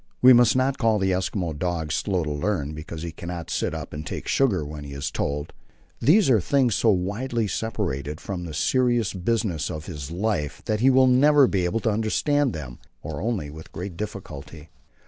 We must not call the Eskimo dog slow to learn because he cannot sit up and take sugar when he is told; these are things so widely separated from the serious business of his life that he will never be able to understand them, or only with great difficulty.